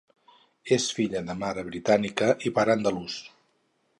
És filla de mare britànica i pare andalús.